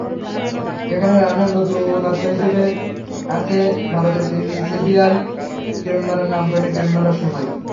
এখানে রান্নার নতুনত্ব হিসেবে আছে ভারতের টিভি সিরিয়াল কিরণমালার নামকরণে কিরণমালা সেমাই।